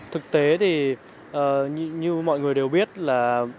thực tế thì như mọi người đều biết là